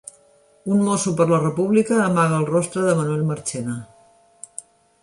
Un mosso per la República amaga el rostre de Manuel Marchena